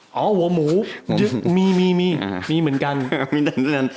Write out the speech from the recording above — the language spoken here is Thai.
อ๋อหัวหมูมีมีเหมือนกัน